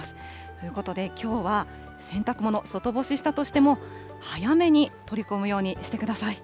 ということで、きょうは洗濯物、外干ししたとしても、早めに取り込むようにしてください。